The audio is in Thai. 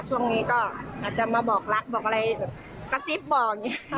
ช่วงนี้ก็อาจจะมาบอกบอกอะไรกะซิบบอว์